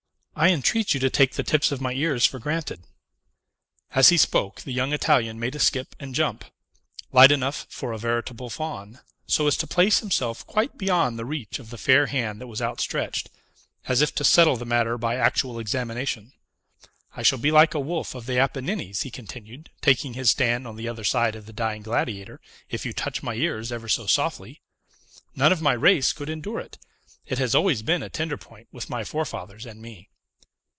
"I entreat you to take the tips of my ears for granted." As he spoke, the young Italian made a skip and jump, light enough for a veritable faun; so as to place himself quite beyond the reach of the fair hand that was outstretched, as if to settle the matter by actual examination. "I shall be like a wolf of the Apennines," he continued, taking his stand on the other side of the Dying Gladiator, "if you touch my ears ever so softly. None of my race could endure it. It has always been a tender point with my forefathers and me."